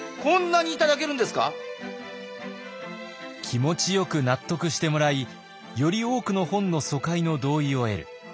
気持ちよく納得してもらいより多くの本の疎開の同意を得る。